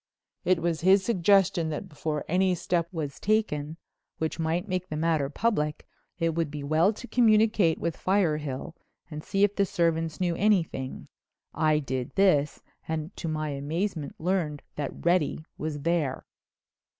It was his suggestion that before any step was taken which might make the matter public, it would be well to communicate with Firehill and see if the servants knew anything. I did this and to my amazement learned that Reddy was there."